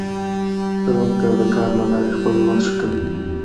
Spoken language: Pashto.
کروندګر د کار له لارې خپل ژوند ښه کوي